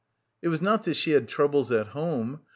It was not that she had troubles at home.